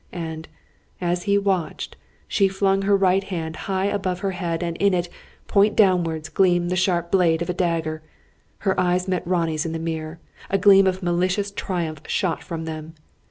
And, as he watched, she flung her right hand high above her head, and in it, point downwards, gleamed the sharp blade of a dagger. Her eyes met Ronnie's in the mirror. A gleam of malicious triumph shot from them.